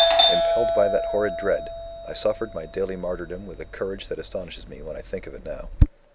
Impelled by that horrid dread, I suffered my daily martyrdom with a courage that astonishes me when I think of it now.